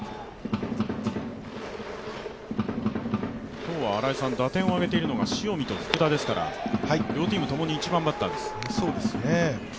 今日は打点を挙げているのが塩見と福田ですから両チームともに１番バッターです。